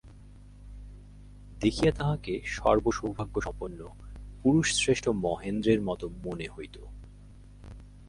দেখিয়া তাহাকে সর্বসৌভাগ্যসম্পন্ন পুরুষশ্রেষ্ঠ মহেন্দ্রের মতো মনে হইত।